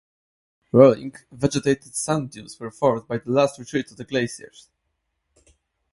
Rolling, vegetated sand dunes were formed by the last retreat of the glaciers.